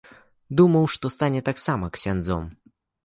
Думаў, што стане таксама ксяндзом.